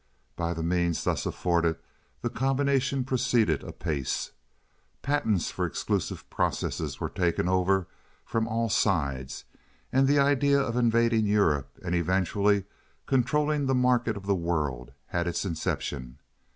By the means thus afforded the combination proceeded apace. Patents for exclusive processes were taken over from all sides, and the idea of invading Europe and eventually controlling the market of the world had its inception.